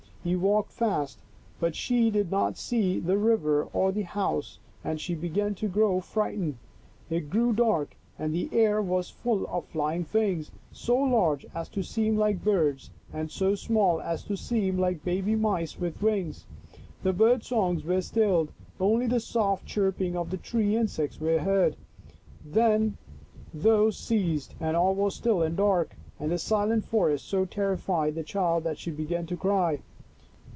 He walked fast, but she did not see the river or the house and she began to grow fright ened. It grew dark and the air was full of fly ing things, so large as to seem like birds and so small as to seem like baby mice with wings. The bird songs were stilled ; only the soft chirp ing of the tree insects were heard. Then those " Lost !" 75 ceased and all was still and dark, and the silent forest so terrified the child that she began to cry.